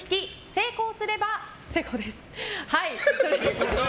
成功すれば成功です？